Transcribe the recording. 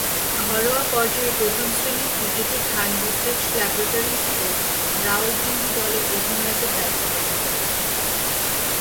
ঘরোয়া পর্যায়ের প্রথম-শ্রেণীর ক্রিকেটে খান রিসার্চ ল্যাবরেটরিজ ও রাওয়ালপিন্ডি দলের অধিনায়কের দায়িত্ব পালন করেছেন।